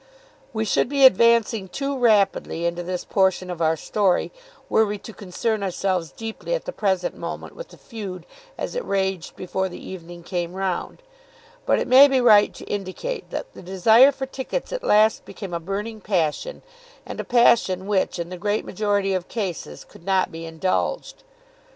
We should be advancing too rapidly into this portion of our story were we to concern ourselves deeply at the present moment with the feud as it raged before the evening came round, but it may be right to indicate that the desire for tickets at last became a burning passion, and a passion which in the great majority of cases could not be indulged.